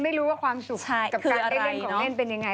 ไม่รู้ว่าความสุขกับการได้เล่นของเล่นเป็นยังไง